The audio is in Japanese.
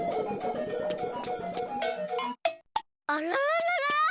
あらららら？